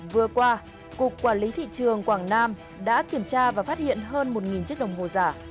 vừa qua cục quản lý thị trường quảng nam đã kiểm tra và phát hiện hơn một chiếc đồng hồ giả